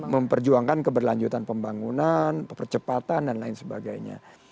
memperjuangkan keberlanjutan pembangunan percepatan dan lain sebagainya